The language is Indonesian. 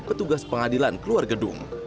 petugas pengadilan keluar gedung